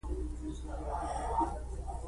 دا خبره سمه ده چې لومړني اقتصادي بریالیتوبونه شته.